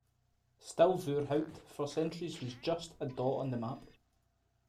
Still Voorhout, for centuries, was just a dot on the map.